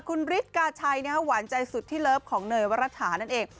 คุณฤทธิกาชัยหวานใจสุดที่เลิฟของเนยวรัฐานั่นเอง